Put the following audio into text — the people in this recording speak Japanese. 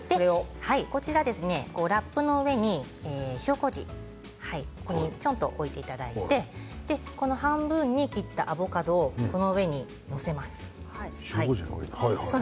こちら、ラップの上に塩こうじちょんと置いていただいて半分に切ったアボカドをこの上に載せます。